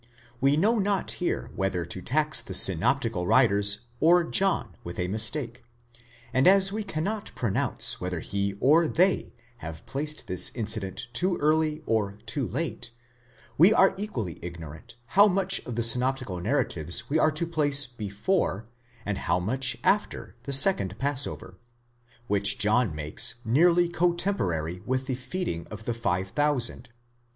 We know not here whether to tax the synoptical writers or John with a mistake: and as we cannot pronounce whether he or they have placed this incident too early or too late, we are equally ignorant how much of the synoptical narratives we are to place before, and how much after, the second passover, which John makes nearly cotemporary with the feeding of the five thousand.